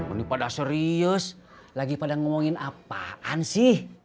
ini pada serius lagi pada ngomongin apaan sih